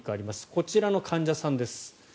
こちらの患者さんです。